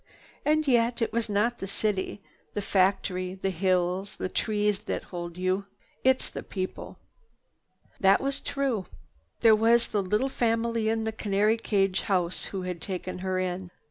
And yet, it is not the city, the factory, the hills, the trees that hold you. It's the people." This was true. There was the little family in the canary cage house who had taken her in.